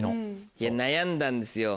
いや悩んだんですよ。